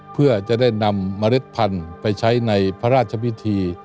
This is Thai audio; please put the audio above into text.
เพื่อจะได้นำเมล็ดพันธุ์ไปใช้ในพระราชพิธี